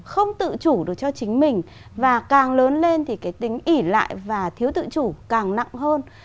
không tự chủ được cho chính mình và càng lớn lên thì cái tính ỉ lại và thiếu tự chủ càng nặng hơn